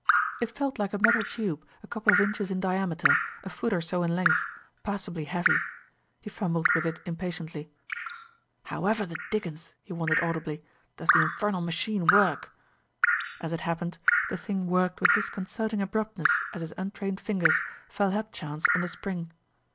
It felt like a metal tube a couple of inches in diameter, a foot or so in length, passably heavy. He fumbled with it impatiently. "However the dickens," he wondered audibly, "does the infernal machine work?" As it happened, the thing worked with disconcerting abruptness as his untrained fingers fell hapchance on the spring.